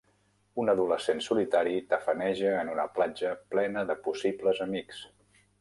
Un adolescent solitari tafaneja en una platja plena de possibles amics.